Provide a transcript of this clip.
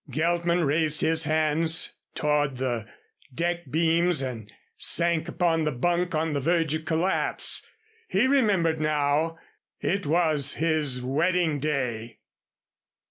Geltman raised his hands toward the deck beams and sank upon the bunk on the verge of collapse. He remembered now it was his wedding day!